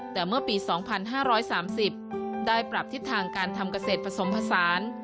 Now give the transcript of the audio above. แต่เมื่อปี๒๕๓๐ได้ปรับทิศทางการทำเกษตรผสมผสาน